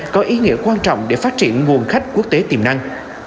có ý nghĩa quan trọng để phát triển nguồn khách quốc tế tiềm năng